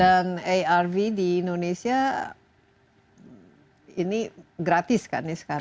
dan arv di indonesia ini gratis kan nih sekarang